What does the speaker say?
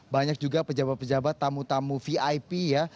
banyak juga pejabat pejabat tamu tamu vip ya